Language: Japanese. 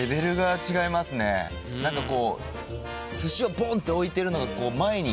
何かこう寿司をポンって置いてるのが。